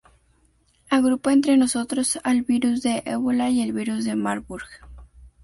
Agrupa, entre otros, al virus del Ébola y al virus de Marburg.